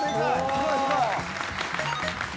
すごいすごい！